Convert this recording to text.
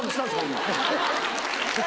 今。